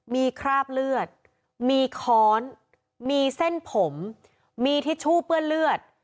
มีคราบเลือดมีค้อนมีเส้นผมมีทิชชู่เปื้อนเลือด